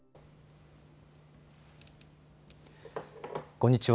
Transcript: こんにちは。